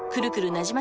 なじま